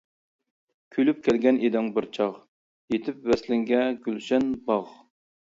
كۈلۈپ كەلگەن ئىدىڭ بىر چاغ، يېتىپ ۋەسلىڭگە گۈلشەن باغ.